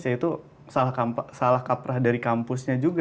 ya itu salah kaprah dari kampusnya juga